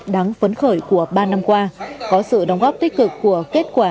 đáng phấn khởi của ba năm qua có sự đóng góp tích cực của kết quả